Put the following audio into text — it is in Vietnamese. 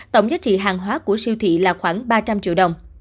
tổng giá trị hàng hóa của siêu thị là khoảng ba trăm linh triệu đồng